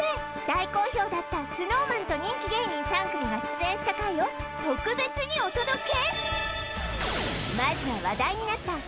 大好評だったＳｎｏｗＭａｎと人気芸人３組が出演した回を特別にお届け！